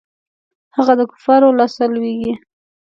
هغه د کفارو لاسته لویږي.